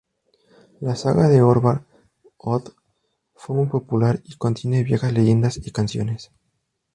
La "saga de Örvar-Oddr", fue muy popular y contiene viejas leyendas y canciones.